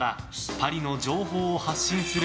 パリの情報を発信する